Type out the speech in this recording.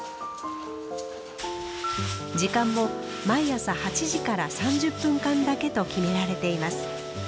時間も毎朝８時から３０分間だけと決められています。